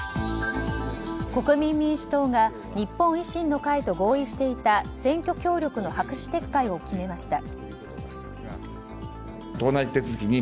国民民主党が日本維新の会と合意していた選挙協力の白紙撤回を決めました。